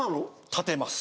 立てます。